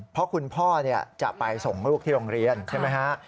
เพราะคุณพ่อจะไปส่งลูกที่โรงเรียนใช่ไหมฮะ